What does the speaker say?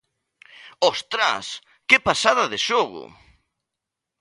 Hostras! Que pasada de xogo!